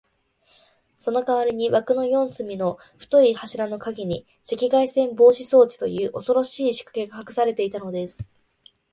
そのかわりに、わくの四すみの太い柱のかげに、赤外線防備装置という、おそろしいしかけがかくされていたのです。